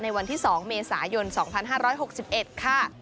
วันที่๒เมษายน๒๕๖๑ค่ะ